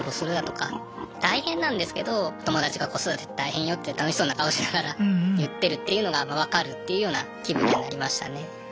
大変なんですけど友達が子育て大変よって楽しそうな顔しながら言ってるっていうのが分かるっていうような気分になりましたね。